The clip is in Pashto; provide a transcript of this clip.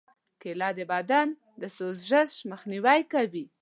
کېله د بدن د سوزش مخنیوی کوي.